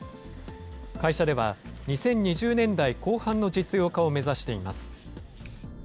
会社では、２０２０年代後半の実用化を目指しています。